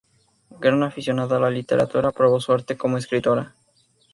Gran aficionada a la literatura, probó suerte como escritora.